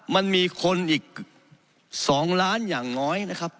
มันมีคนอีก๒ล้านอย่างน้อยนะครับ